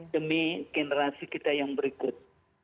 demi generasi kita yang berikut